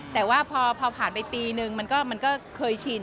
แต่ว่าพอผ่านไปปีนึงมันก็เคยชิน